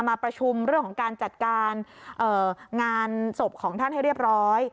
มาประชุมเรื่องของการจัดการงานศพของท่านให้เรียบร้อย